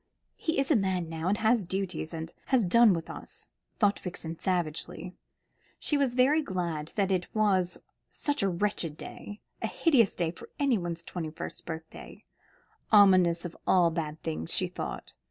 "He's a man now, and has duties, and has done with us," thought Vixen savagely. She was very glad that it was such a wretched day a hideous day for anyone's twenty first birthday, ominous of all bad things, she thought.